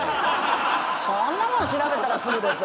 そんなもん調べたらすぐです。